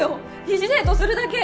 疑似デートするだけ！